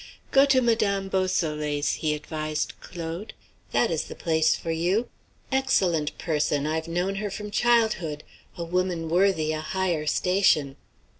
"Go to Madame Beausoleil's," he advised Claude. "That is the place for you. Excellent person; I've known her from childhood; a woman worthy a higher station."